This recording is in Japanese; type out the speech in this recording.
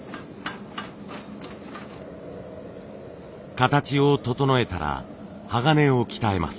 形を整えたら鋼を鍛えます。